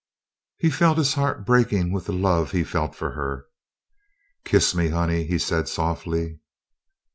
He felt his heart breaking with the love he felt for her. "Kiss me Honey!" he said softly.